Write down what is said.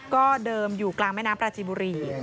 ก็เดิมอยู่กลางแม่น้ำปลาจีบุรี